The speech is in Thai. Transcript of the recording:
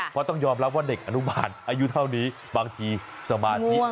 เพราะต้องยอมรับว่าเด็กอนุบาลอายุเท่านี้บางทีสมาธิ